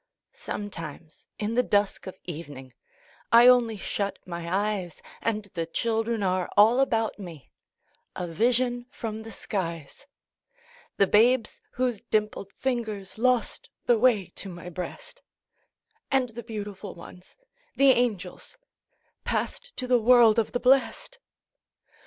Sometimes, in the dusk of evening, I only shut my eyes, And the children are all about me, A vision from the skies: The babes whose dimpled fingers Lost the way to my breast, And the beautiful ones, the angels, Passed to the world of the blest.